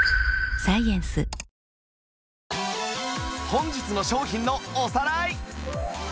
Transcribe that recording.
本日の商品のおさらい